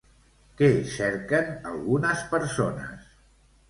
Què cerquen algunes persones?